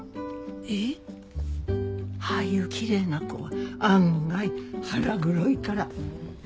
えっ？ああいうきれいな子は案外腹黒いから。